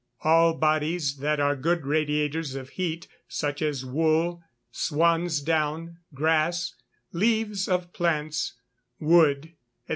_ All bodies that are good radiators of heat, such as wool, swansdown, grass, leaves of plants, wood, &c.